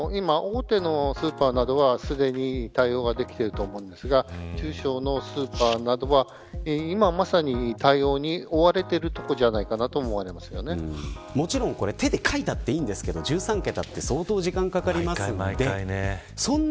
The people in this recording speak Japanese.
今大手のスーパーなどはすでに対応ができていると思うんですが中小のスーパーなどは今まさに対応に追われているところだともちろん手で書いたっていいんですけど１３桁は相当時間がかかります。